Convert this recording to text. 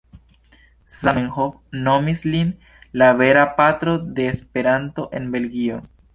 Zamenhof nomis lin "la vera patro de Esperanto en Belgio".